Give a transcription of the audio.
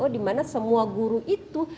di mana semua guru itu